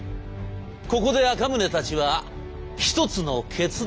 ここで赤宗たちは一つの決断をいたします。